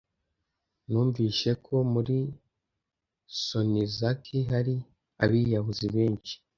Numvise ko muri Sonezaki hari abiyahuzi benshi.